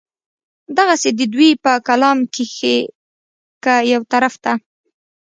دغسې د دوي پۀ کلام کښې کۀ يو طرف ته